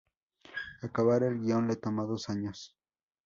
Acabar el guion le tomó dos años.